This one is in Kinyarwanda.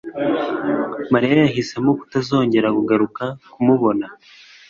Maria yahisemo kutazongera kugaruka kumubona.